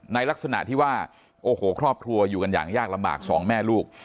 ลักษณะที่ว่าโอ้โหครอบครัวอยู่กันอย่างยากลำบากสองแม่ลูก